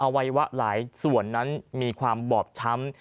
วัยวะหลายส่วนนั้นมีความบอบช้ำ